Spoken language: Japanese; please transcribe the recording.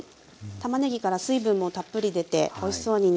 たまねぎから水分もたっぷり出ておいしそうに煮上がってます。